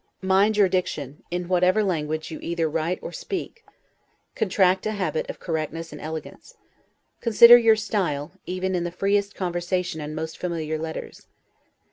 Mind your diction, in whatever language you either write or speak; contract a habit of correctness and elegance. Consider your style, even in the freest conversation and most familiar letters.